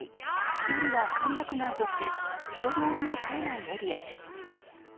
夜は歓楽街として人通りの絶えないエリアです。